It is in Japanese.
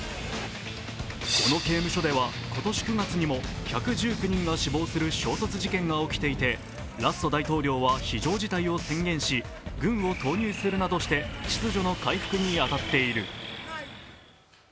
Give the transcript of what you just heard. この刑務所では今年９月にも１１９人が死亡する衝突事件が起きていてラッソ大統領は非常事態を宣言し、軍を投入するなどして秩序の回復に当たっている。